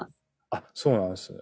そうなんですね。